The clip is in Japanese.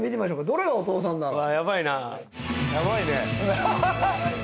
どれがお父さんだろう。